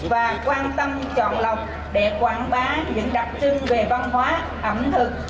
và quan tâm chọn lọc để quảng bá những đặc trưng về văn hóa ẩm thực